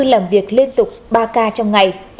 làm việc liên tục ba k trong ngày